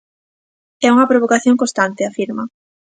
"É unha provocación constante", afirma.